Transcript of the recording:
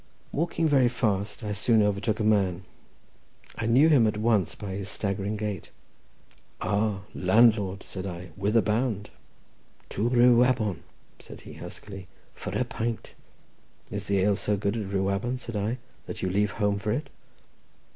Walking very fast, I soon overtook a man. I knew him at once by his staggering gait. "Ah, landlord!" said I; "whither bound?" "To Rhiwabon," said he, huskily, "for a pint." "Is the ale so good at Rhiwabon," said I, "that you leave home for it?"